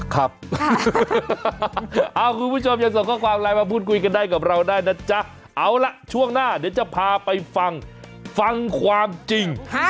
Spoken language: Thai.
คุณผู้ชมยังส่งข้อความไลน์มาพูดคุยกันได้กับเราได้นะจ๊ะเอาล่ะช่วงหน้าเดี๋ยวจะพาไปฟังฟังความจริง